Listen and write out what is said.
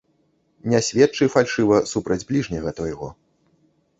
Не сведчы фальшыва супраць бліжняга твайго.